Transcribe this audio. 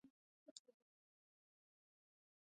ازادي راډیو د طبیعي پېښې د راتلونکې په اړه وړاندوینې کړې.